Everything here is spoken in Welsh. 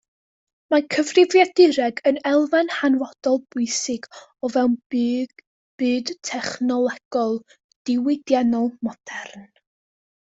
Mae cyfrifiadureg yn elfen hanfodol bwysig o fewn y byd technolegol, diwydiannol modern.